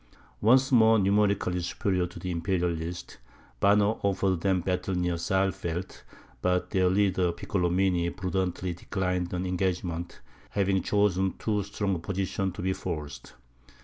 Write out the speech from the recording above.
Once more numerically superior to the Imperialists, Banner offered them battle near Saalfeld; but their leader, Piccolomini, prudently declined an engagement, having chosen too strong a position to be forced.